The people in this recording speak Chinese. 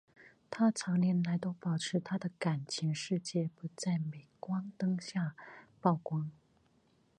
她长年来都保持她的感情世界不在镁光灯下曝光。